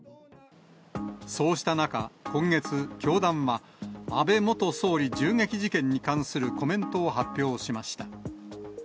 そうした中、今月、教団は安倍元総理銃撃事件に関するコメントを発表しました。